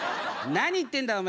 何言ってんだお前